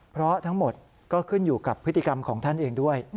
เพราะทั้งหมดก็ขึ้นอยู่กับพฤติกรรมของท่านเองด้วย